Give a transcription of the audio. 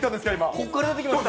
ここから出てきました。